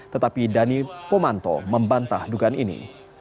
tetapi dhani pomanto membantah dugaan ini